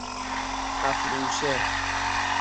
اَفروشه